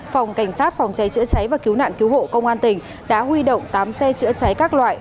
phòng cảnh sát phòng cháy chữa cháy và cứu nạn cứu hộ công an tỉnh đã huy động tám xe chữa cháy các loại